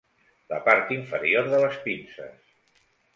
La part inferior de les pinces.